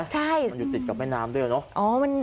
ต้องจะงึ่งถึงฤทธิ์ถ้าติดกับแม่น้ำด้วยเนอะ